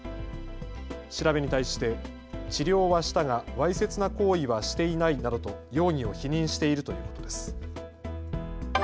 調べに対して治療はしたがわいせつな行為はしていないなどと容疑を否認しているということです。